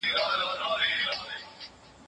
هغوی تېره اوونۍ یو نوی موټر واخیست.